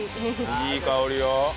いい香りよ。